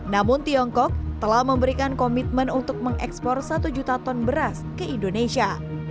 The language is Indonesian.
namun tiongkok telah memberikan komitmen untuk mengekspor satu juta ton beras ke indonesia